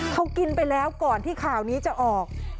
เขากินไปแล้วก่อนที่ข่าวนี้จะออก